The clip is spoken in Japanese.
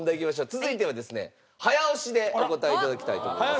続いてはですね早押しでお答え頂きたいと思います。